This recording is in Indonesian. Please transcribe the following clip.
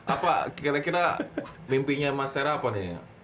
apa kira kira mimpinya mas tera apa nih